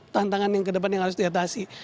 tantangan yang ke depan yang harus diatasi